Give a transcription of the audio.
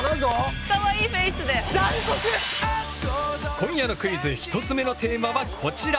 今夜のクイズ１つ目のテーマはこちら。